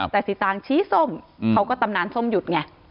แต่สีตางชี้ส้มเขาก็ตำนานส้มหยุดไง